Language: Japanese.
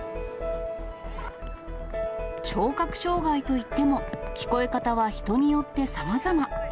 聴覚障がいといっても、聞こえ方は人によってさまざま。